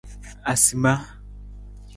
Asimaa.